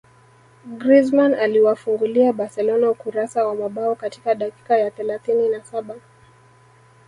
Griezmann aliwafungulia Barcelona ukurasa wa mabao katika dakika ya thelathini na saba